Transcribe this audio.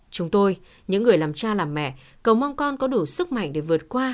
chúng tôi những người làm cha làm mẹ cầu mong con có đủ sức mạnh để vượt qua